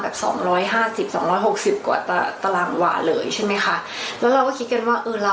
แบบ๒๕๐๒๖๐กว่าตรังหวะเลยใช่ไหมคะ